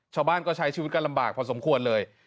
ชาวบ้านก็ใช้ชีวิตกันลำบากพอสมควรเลย